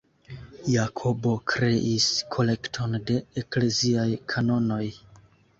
Jakobo kreis "kolekton de ekleziaj kanonoj".